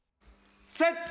セット！